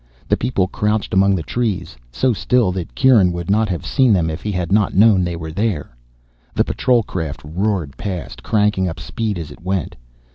The people crouched among the trees, so still that Kieran would not have seen them if he had not known they were there. The patrol craft roared past, cranking up speed as it went.